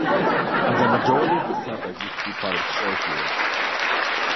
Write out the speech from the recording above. The majority of the suburb used to be part of Schofields.